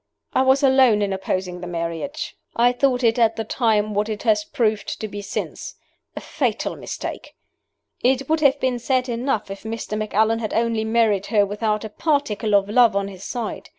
"I was alone in opposing the marriage. I thought it at the time what it has proved to be since a fatal mistake. "It would have been sad enough if Mr. Macallan had only married her without a particle of love on his side.